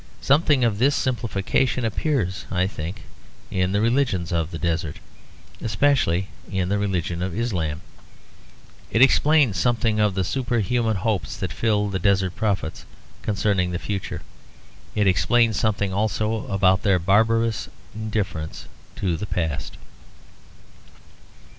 Something of this simplification appears, I think, in the religions of the desert, especially in the religion of Islam. It explains something of the super human hopes that fill the desert prophets concerning the future; it explains something also about their barbarous indifference to the past.